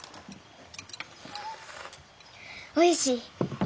おいしい。